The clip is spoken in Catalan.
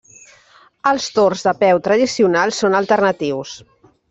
Els torns de peu tradicionals són alternatius.